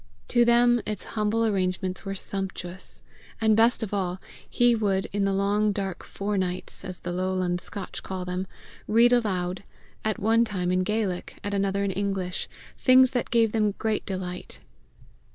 To them its humble arrangements were sumptuous. And best of all, he would, in the long dark fore nights, as the lowland Scotch call them, read aloud, at one time in Gaelic, at another in English, things that gave them great delight.